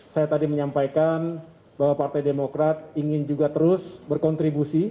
saya tadi menyampaikan bahwa partai demokrat ingin juga terus berkontribusi